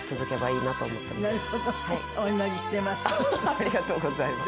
ありがとうございます。